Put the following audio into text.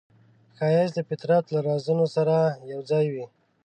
ښایست د فطرت له رازونو سره یوځای وي